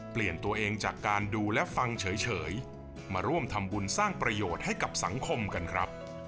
เปลี่ยนตัวเองจากการดูและฟังเฉยมาร่วมทำบุญสร้างประโยชน์ให้กับสังคมกันครับ